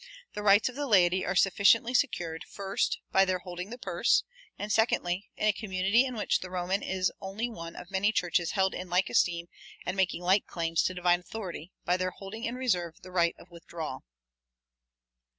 The rights of the laity are sufficiently secured, first, by their holding the purse, and, secondly, in a community in which the Roman is only one of many churches held in like esteem and making like claims to divine authority, by their holding in reserve the right of withdrawal.